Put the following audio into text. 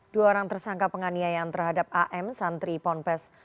dua orang tersangka penganiayaan terhadap am santri ponpes